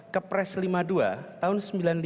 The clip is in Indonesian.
kepres lima puluh dua tahun sembilan puluh lima